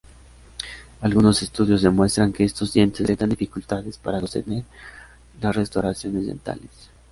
Algunos estudios demuestran que estos dientes presentan dificultades para sostener las restauraciones dentales.